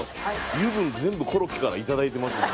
油分全部コロッケからいただいてますので。